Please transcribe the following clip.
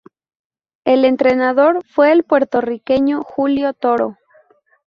El entrenador fue el puertorriqueño Julio Toro.